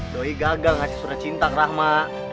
doi gagal ngasih surat cinta ke rahma